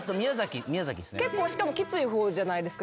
結構しかもきつい方じゃないですか？